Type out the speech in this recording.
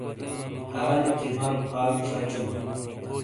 ہَلانی چِمارو فال شچٗوں۔